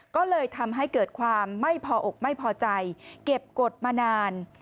ก็เลยทำให้เกิดความไม่พออกไม่พอใจเก็บกฎมานาน